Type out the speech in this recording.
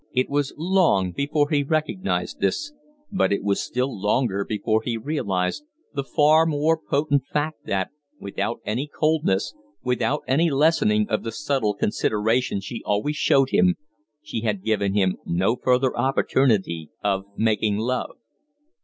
It was long before he recognized this; but it was still longer before he realized the far more potent fact that, without any coldness, without any lessening of the subtle consideration she always showed him, she had given him no further opportunity of making love.